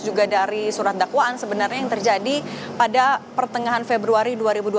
juga dari surat dakwaan sebenarnya yang terjadi pada pertengahan februari dua ribu dua puluh